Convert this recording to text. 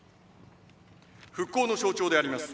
復興の象徴であります